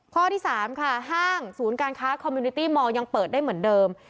ข้อที่๓ค่ะห้างศูนย์การค้าคอมมิวนิตี้มอร์ยังเปิดได้เหมือนเดิม